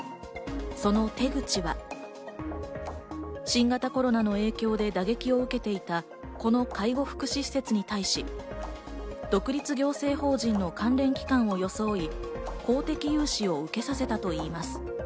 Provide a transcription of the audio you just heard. その手口は、新型コロナの影響で打撃を受けていた、この介護福祉施設に対し、独立行政法人の関連機関を装い、公的融資を受けさせたといいます。